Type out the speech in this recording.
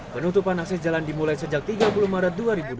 penutupan akses jalan dimulai sejak tiga puluh maret dua ribu dua puluh